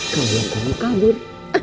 kamu belum kabur